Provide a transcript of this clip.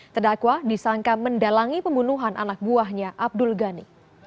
terdakwa disangka mendalangi pembunuhan anak buahnya abdul ghani